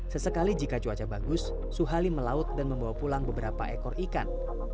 sesekali jika cuaca bagus suhali melaut dan membawa pulang beberapa ekor ikan